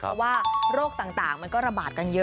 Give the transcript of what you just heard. เพราะว่าโรคต่างมันก็ระบาดกันเยอะ